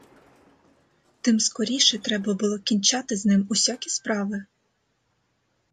Тим скоріше треба було кінчати з ним усякі справи.